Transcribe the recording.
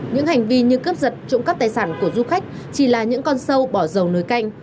những hành vi như cướp giật trộm cắp tài sản của du khách chỉ là những con sâu bỏ dầu nối canh